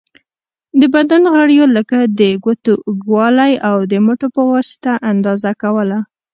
د بدن غړیو لکه د ګوتو اوږوالی، او د مټو په واسطه اندازه کوله.